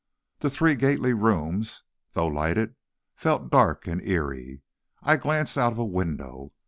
The three Gately rooms, though lighted, felt dark and eerie. I glanced out of a window.